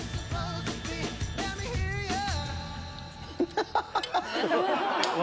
フハハハハ！